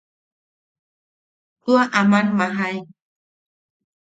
Tua, aman majae.